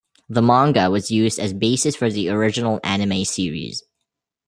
The manga was used as basis for the original anime series.